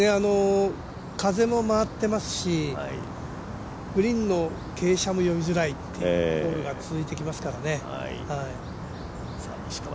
風も回ってますしグリーンの傾斜も読みづらいっていうホールが続いていきますからね。